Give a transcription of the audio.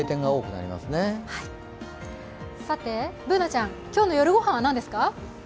Ｂｏｏｎａちゃん、今日の夜御飯は何ですか？